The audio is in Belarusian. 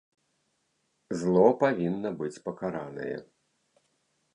Зло павінна быць пакаранае.